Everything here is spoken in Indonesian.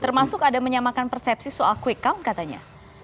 termasuk ada menyamakan persepsi soal quick count katanya